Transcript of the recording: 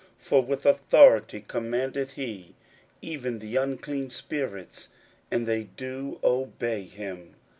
for with authority commandeth he even the unclean spirits, and they do obey him.